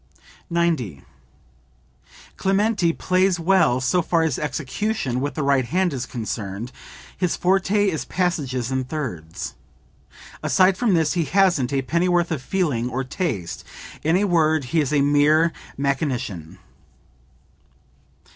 90. "Clementi plays well so far as execution with the right hand is concerned; his forte is passages in thirds. Aside from this he hasn't a pennyworth of feeling or taste; in a word he is a mere mechanician."